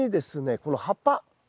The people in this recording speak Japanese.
この葉っぱ。